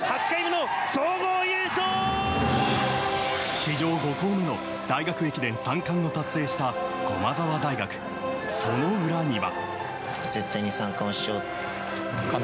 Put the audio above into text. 史上５校目の大学駅伝３冠を達成した駒澤大学、その裏には。